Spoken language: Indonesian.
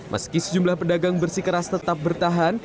meski sejumlah pedagang bersikeras tetap bertahan